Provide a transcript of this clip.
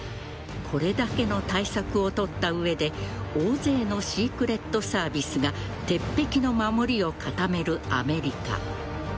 これだけの対策を取った上で大勢のシークレットサービスが鉄壁の守りを固めるアメリカ。